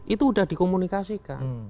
itu sudah dikomunikasikan